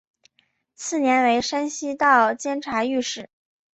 次年为山西道监察御史。